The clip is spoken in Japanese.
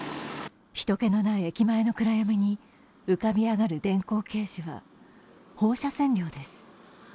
人けのない駅前の暗闇に浮かび上がる電光掲示は放射線量です。